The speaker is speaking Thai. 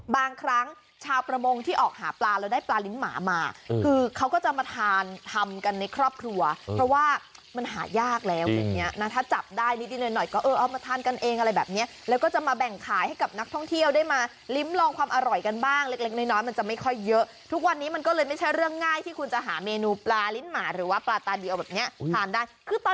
บางครั้งชาวประมงที่ออกหาปลาแล้วได้ปลาลิ้นหมามาคือเขาก็จะมาทานทำกันในครอบครัวเพราะว่ามันหายากแล้วอย่างนี้นะถ้าจับได้นิดหน่อยก็เออเอามาทานกันเองอะไรแบบนี้แล้วก็จะมาแบ่งขายให้กับนักท่องเที่ยวได้มาลิ้มลองความอร่อยกันบ้างเล็กเล็กน้อยมันจะไม่ค่อยเยอะทุกวันนี้มันก็เลยไม่ใช่เรื่องง่ายที่คุณจะหาเมนูปลาลิ้นหมาหรือว่าปลาตาเดียวแบบนี้ทานได้คือต